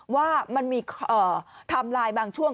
ว่ามันมีไทม์ไลน์บางช่วง